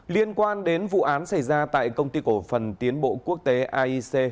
liên quan đến vụ án xảy ra tại công ty cổ phần tiến bộ quốc tế aic